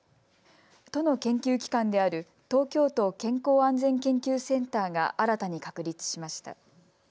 都の研究機関である東京都健康安全研究センターが新たに確立しました。